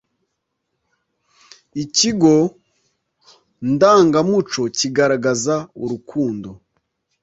Ikigo ndangamuco kigaragaza urukundo